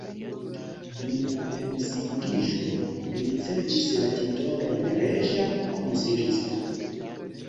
Dum la pensiuliĝo li ricevis la titolon reĝa konsilisto.